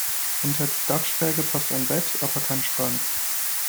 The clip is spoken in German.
Unter die Dachschräge passt ein Bett, aber kein Schrank.